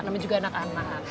namanya juga anak anak